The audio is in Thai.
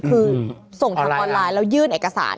คือส่งทางออนไลน์แล้วยื่นเอกสาร